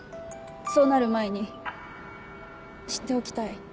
そうなる前に知っておきたい。